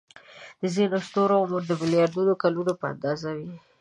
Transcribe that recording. د ځینو ستورو عمر د ملیاردونو کلونو په اندازه وي.